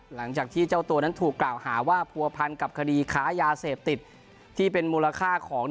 หลังจากที่เจ้าตัวนั้นถูกกล่าวหาว่าผัวพันกับคดีค้ายาเสพติดที่เป็นมูลค่าของ